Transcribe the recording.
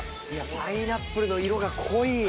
パイナップルの色が濃い。